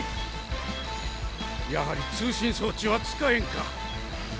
やはり通信装置は使えんか。